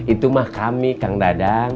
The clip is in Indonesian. itu mah kami kang dadang